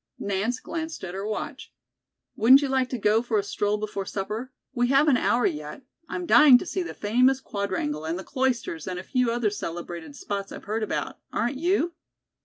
Nance glanced at her watch. "Wouldn't you like to go for a stroll before supper? We have an hour yet. I'm dying to see the famous Quadrangle and the Cloisters and a few other celebrated spots I've heard about. Aren't you?"